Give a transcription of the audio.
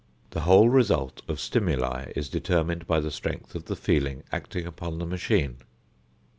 The whole result of stimuli is determined by the strength of the feeling acting upon the machine.